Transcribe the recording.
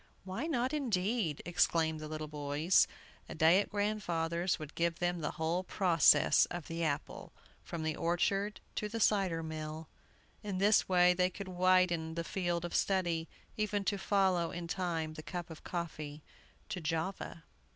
"Why not indeed?" exclaimed the little boys. A day at grandfather's would give them the whole process of the apple, from the orchard to the cider mill. In this way they could widen the field of study, even to follow in time the cup of coffee to Java.